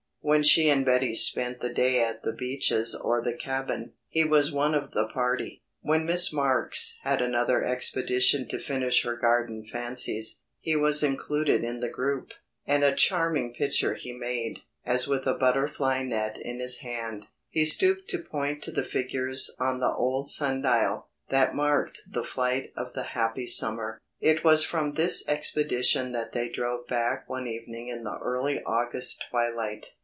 When she and Betty spent the day at The Beeches or the Cabin, he was one of the party. When Miss Marks had another expedition to finish her Garden Fancies, he was included in the group, and a charming picture he made, as with a butterfly net in his hand, he stooped to point to the figures on the old sun dial, that marked the flight of the happy summer. It was from this expedition that they drove back one evening in the early August twilight.